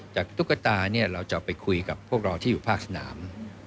ตุ๊กตาเนี่ยเราจะไปคุยกับพวกเราที่อยู่ภาคสนาม